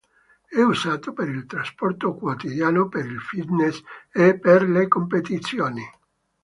È usato per il trasporto quotidiano, per il fitness, e per le competizioni.